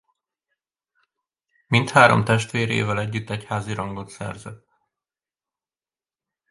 Mindhárom testvérével együtt egyházi rangot szerzett.